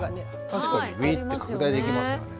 確かにウィーって拡大できますからね。